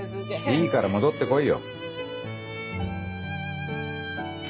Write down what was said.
いいから戻ってこいよ。